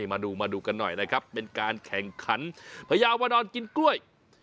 มาดูมาดูกันหน่อยนะครับเป็นการแข่งขันพญาวนอนกินกล้วย